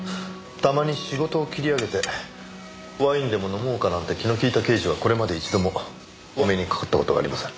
たまに仕事を切り上げてワインでも飲もうかなんて気の利いた刑事はこれまで一度もお目にかかった事がありません。